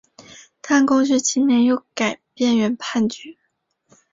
但光绪七年又改变原判决。